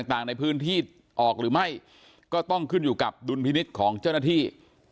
ต่างในพื้นที่ออกหรือไม่ก็ต้องขึ้นอยู่กับดุลพินิษฐ์ของเจ้าหน้าที่